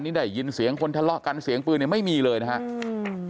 นี่ได้ยินเสียงคนทะเลาะกันเสียงปืนเนี่ยไม่มีเลยนะฮะอืม